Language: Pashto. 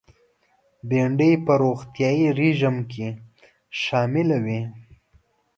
بېنډۍ په روغتیایي رژیم کې شامله وي